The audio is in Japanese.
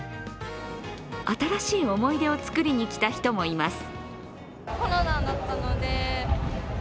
新しい思い出を作りにきた人もいます。